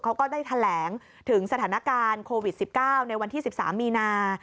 ก็ได้แถลงถึงสถานการณ์โควิด๑๙ในวันที่๑๓มีนา